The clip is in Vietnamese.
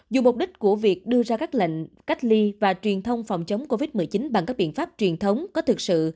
dù mục đích của việc đưa ra các lệnh cách ly và truyền thông phòng chống covid một mươi chín bằng các biện pháp truyền thống có thực sự